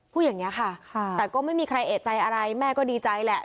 พูดอย่างนี้ค่ะแต่ก็ไม่มีใครเอกใจอะไรแม่ก็ดีใจแหละ